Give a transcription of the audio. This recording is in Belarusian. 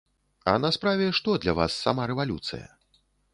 А на справе, што для вас сама рэвалюцыя?